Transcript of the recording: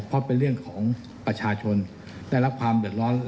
เพราะเป็นเรื่องของประชาชนได้รับความเดือดร้อน